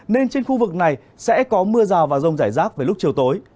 nên trên khu vực này sẽ có mưa rào và rông rải rác về lúc chiều tối